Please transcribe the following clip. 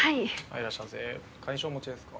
いらっしゃいませ会員証お持ちですか？